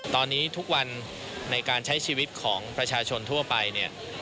ตอนนี้ทุกวันในการใช้ชีวิตของประชาชนทั่วไปเนี่ย